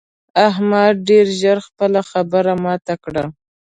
احمد ډېر ژر خپله خبره ماته کړه.